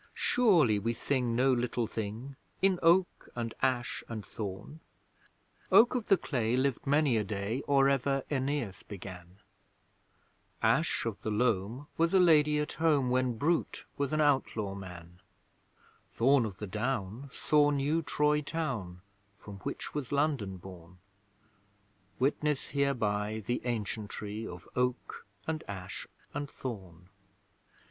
Surely we sing no little thing, In Oak, and Ash, and Thorn! Oak of the Clay lived many a day, Or ever Æneas began; Ash of the Loam was a lady at home, When Brut was an outlaw man; Thorn of the Down saw New Troy Town (From which was London born); Witness hereby the ancientry Of Oak, and Ash, and Thorn!